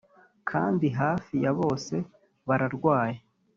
kandi hafi ya bose bararwaye